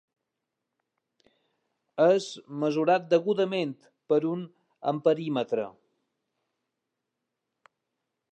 És mesurat degudament per un amperímetre.